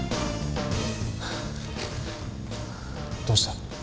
どうした？